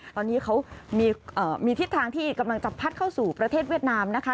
ตอนนี้เขามีทิศทางที่กำลังจะพัดเข้าสู่ประเทศเวียดนามนะคะ